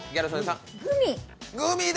グミ？